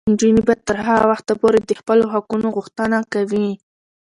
نجونې به تر هغه وخته پورې د خپلو حقونو غوښتنه کوي.